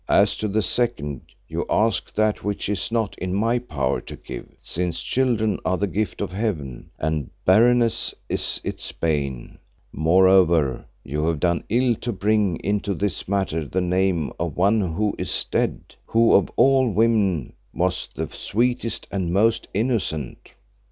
As to the second, you ask that which it is not in my power to give, since children are the gift of Heaven, and barrenness is its bane. Moreover, you have done ill to bring into this matter the name of one who is dead, who of all women was the sweetest and most innocent.